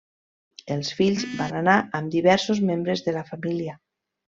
Els fills van anar amb diversos membres de la família.